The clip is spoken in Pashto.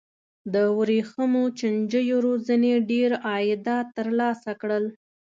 د ورېښمو چینجیو روزنې ډېر عایدات ترلاسه کړل.